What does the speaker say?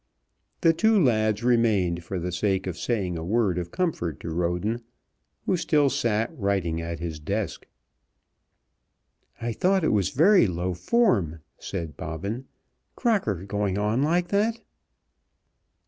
The two lads remained for the sake of saying a word of comfort to Roden, who still sat writing at his desk. "I thought it was very low form," said Bobbin; "Crocker going on like that."